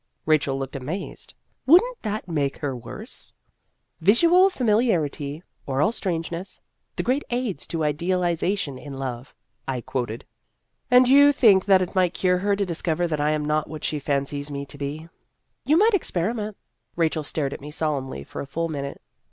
Rachel looked amazed. " Would n't that make her worse ?""' Visual familiarity, oral strangeness the great aids to idealization in love,' " I quoted. " And you think that it might cure her to discover that I am not what she fancies me to be ?" 88 Vassar Studies "You might experiment." Rachel stared at me solemnly for a full minute.